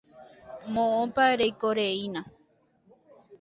Moõpa reikoreína.